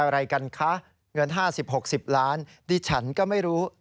อะไรกันคะเงิน๕๐๖๐ล้านดิฉันก็ไม่รู้